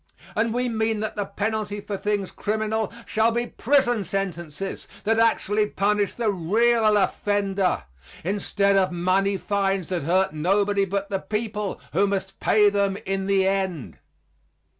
And we mean that the penalty for things criminal shall be prison sentences that actually punish the real offender, instead of money fines that hurt nobody but the people, who must pay them in the end.